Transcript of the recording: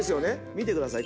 見てください